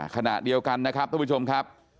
ขณะเดียวกันนะครับท่านผู้ชมครับ